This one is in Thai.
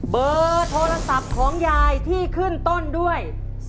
เบอร์โทรศัพท์ของยายที่ขึ้นต้นด้วย